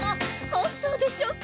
本当でしょうか？